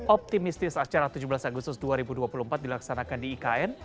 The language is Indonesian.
optimistis acara tujuh belas agustus dua ribu dua puluh empat dilaksanakan di ikn